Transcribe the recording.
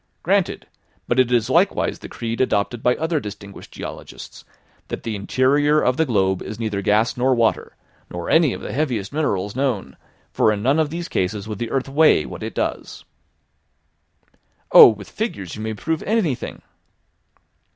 "Granted. But it is likewise the creed adopted by other distinguished geologists, that the interior of the globe is neither gas nor water, nor any of the heaviest minerals known, for in none of these cases would the earth weigh what it does." "Oh, with figures you may prove anything!"